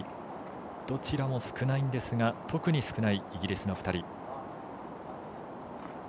どちらも少ないんですが特に少ないイギリスの２人。